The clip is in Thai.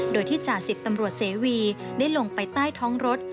โดยที่จ่าสิบตำรวจเสวีได้ลงไปใต้ท้องรถ